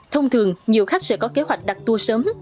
thông thường nhiều khách sẽ có kế hoạch đặt tour sớm